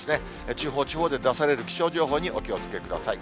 地方、地方で出される気象情報にお気をつけください。